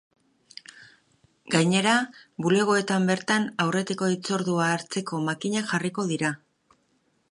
Gainera, bulegoetan bertan aurretiko hitzordua hartzeko makinak jarriko dira.